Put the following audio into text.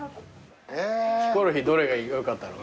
ヒコロヒーどれがよかったの？